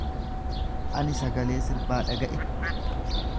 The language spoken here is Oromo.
Ani sagalee sirbaa dhaga’e.